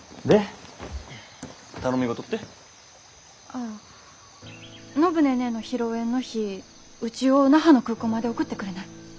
ああ暢ネーネーの披露宴の日うちを那覇の空港まで送ってくれない？